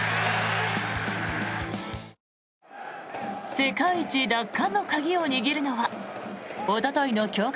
世界一奪還の鍵を握るのはおとといの強化